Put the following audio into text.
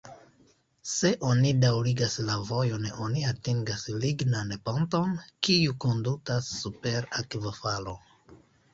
Se oni daŭrigas la vojon oni atingas lignan ponton, kiu kondutas super akvofalo.